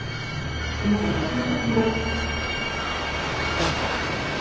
あっ！